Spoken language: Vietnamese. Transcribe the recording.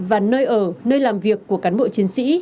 và nơi ở nơi làm việc của cán bộ chiến sĩ